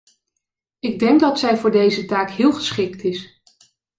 Ik denk dat zij voor deze taak heel geschikt is.